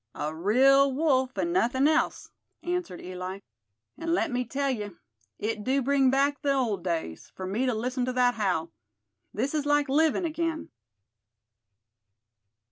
"A real wolf, an' nothin' else," answered Eli; "an' let me tell ye, it do bring back the old days, fur me to listen to thet howl. This is like livin' again."